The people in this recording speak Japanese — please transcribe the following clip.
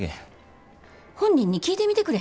本人に聞いてみてくれへん？